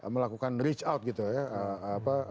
melakukan reach out gitu ya